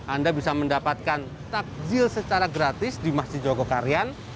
anda bisa mendapatkan takjil secara gratis di masjid jogokarian